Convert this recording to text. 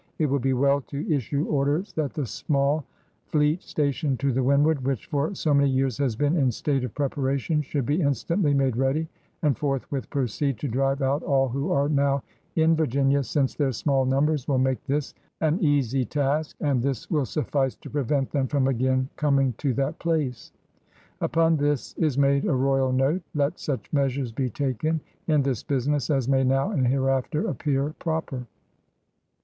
it will be well to issue orders that the small fleet stationed to the windward, which for so many years has been in state of preparation, should be instantly made ready and forthwith proceed to drive out all who are now in Virginia, since their small numbers will make this an easy task, and this will suffice to prevent them from again coming to that place." Upon this is made a Royal note: *^Let such measures be taken in this business as may now and hereafter appear proper."